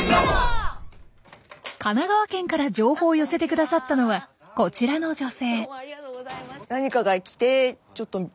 神奈川県から情報を寄せてくださったのはこちらの女性。